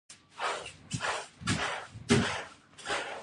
په دې ترتیب جګړه لویه شوه او په تباهۍ واوښته